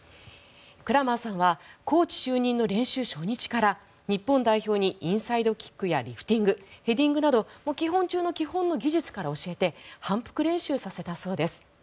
クラマーさんはコーチ就任の練習初日から日本代表にインサイドキックやリフティングヘディングなど基本中の基本の技術から教えて反復練習させたそうです。